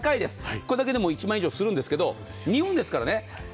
これだけでも１万円以上するんですが２本ですからね。